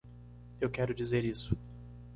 Eu quero dizer isso.